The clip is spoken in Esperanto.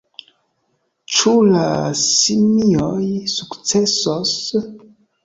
Ĉu la simioj sukcesos?